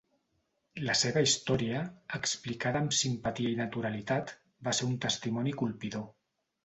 La seva història, explicada amb simpatia i naturalitat, va ser un testimoni colpidor.